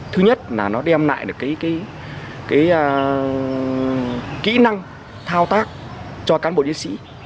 thứ nhất là nó đem lại được cái kỹ năng thao tác cho cán bộ diễn sĩ